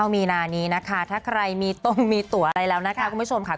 มีนานี้นะคะถ้าใครมีต้มมีตัวอะไรแล้วนะคะคุณผู้ชมค่ะ